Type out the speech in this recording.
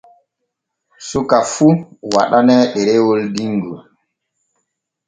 Suka fun waɗaane ɗerewol dingol.